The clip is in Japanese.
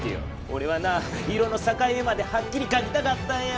おれはな色の境目まではっきりかきたかったんや。